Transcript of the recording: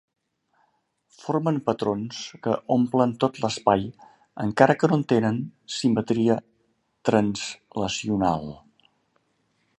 Formen patrons que omplen tot l'espai encara que no tenen simetria translacional.